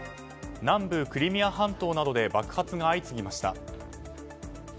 南部クリミア半島などで爆発が相次ぎました。